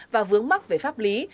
và vướng mắc về pháp lý